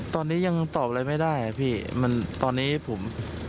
ตอนนี้ยังตอบอะไรไม่ได้อ่ะพี่มันตอนนี้ผม